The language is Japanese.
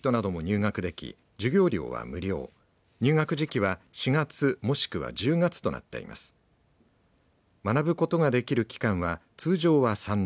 学ぶことができる期間は通常は３年。